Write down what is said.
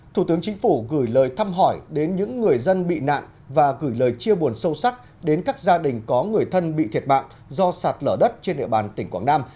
thủ tướng chính phủ gửi lời thăm hỏi đến những người dân bị nạn và gửi lời chia buồn sâu sắc đến các gia đình có người thân bị thiệt mạng do sạt lở đất trên địa bàn tỉnh quảng nam